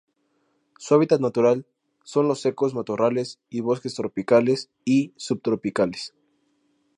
Su hábitat natural son los secos matorrales y bosques tropicales y subtropicales.